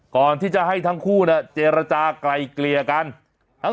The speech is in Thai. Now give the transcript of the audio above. ก่อนที่จะให้ทั้งคู่เจรจากลายเกลี่ยกัน